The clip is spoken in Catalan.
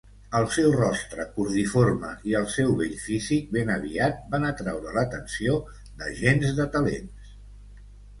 El seu rostre cordiforme i el seu bell físic ben aviat van atraure l'atenció d'agents de talents.